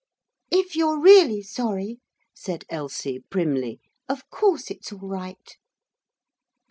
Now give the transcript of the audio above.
'If you're really sorry,' said Elsie primly, 'of course it's all right.'